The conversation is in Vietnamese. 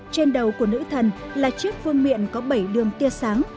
trên đầu của nữ thần là chiếc phương miện có bảy đường tia sáng